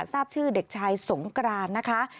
ทราบชื่อเด็กชายสงกรานนะคะ